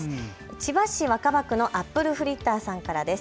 千葉市若葉区のアップルフリッターさんからです。